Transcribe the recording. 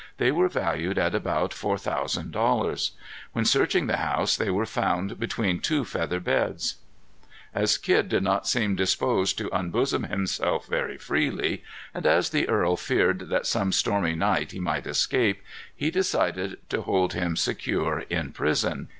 They were valued at about four thousand dollars. When searching the house they were found between two feather beds. As Kidd did not seem disposed to unbosom himself very freely, and as the earl feared that some stormy night he might escape, he decided to hold him secure in prison.